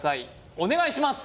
お願いします